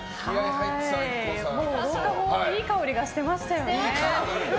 廊下もいい香りがしてましたよね。